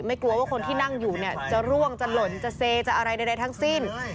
กลัวว่าคนที่นั่งอยู่เนี่ยจะร่วงจะหล่นจะเซจะอะไรใดทั้งสิ้น